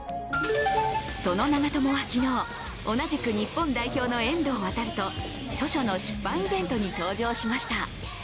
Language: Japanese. その長友は昨日、同じく日本代表の遠藤航と著書の出版イベントに登場しました。